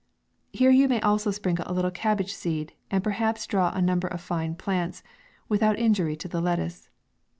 Here you may also sprinkle a little cabbage seed, and perhaps draw a number of fine plants, without injury to the lettuce.